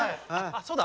そうだ！